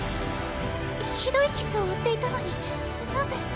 ひどい傷を負っていたのになぜ。